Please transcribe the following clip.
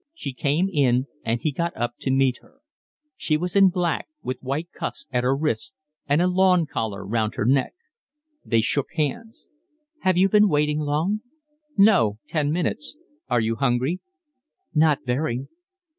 She came in, and he got up to meet her. She was in black, with white cuffs at her wrists and a lawn collar round her neck. They shook hands. "Have you been waiting long?" "No. Ten minutes. Are you hungry?" "Not very."